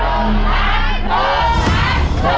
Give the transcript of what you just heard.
สวัสดีครับสวัสดีครับ